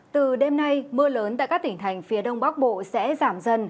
từ đêm nay mưa lớn tại các tỉnh thành phía đông bắc bộ sẽ giảm dần